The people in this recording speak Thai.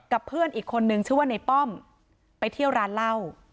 เพื่อนอีกคนนึงชื่อว่าในป้อมไปเที่ยวร้านเหล้า